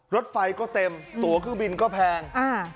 รถไฟก็เต็มตัวเครื่องบินก็แพงอ่า